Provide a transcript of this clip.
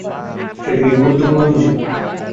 সেটা কি গুরুত্বপূর্ণ কিছু?